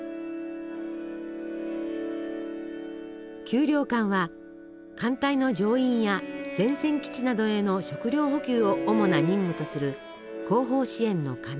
給糧艦は艦隊の乗員や前線基地などへの食糧補給を主な任務とする後方支援の要。